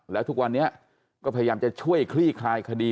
แล้วทุกวันนี้ก็พยายามจะช่วยคลี่คลายคดี